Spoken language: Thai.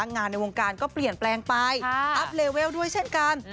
ในวงการก็เปลี่ยนแปลงไปอัพเลเวลด้วยเช่นกัน